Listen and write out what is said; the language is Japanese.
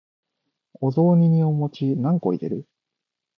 お雑煮にお餅何個入れる？